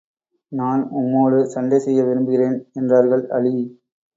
நான் உம்மோடு சண்டை செய்ய விரும்புகிறேன் என்றார்கள் அலி.